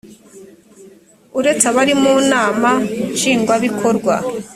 uretse abari mu nama nshingwabikorwa